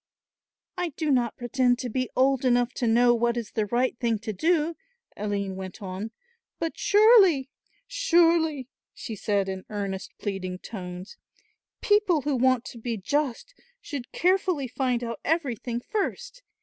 "I do not pretend to be old enough to know what is the right thing to do," Aline went on, "but surely, surely," she said in earnest pleading tones, "people who want to be just should carefully find out everything first.